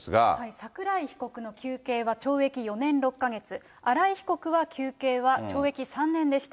桜井被告の求刑は懲役４年６か月、新井被告は求刑は懲役３年でした。